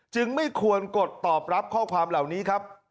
ไม่ควรกดตอบรับข้อความเหล่านี้ครับ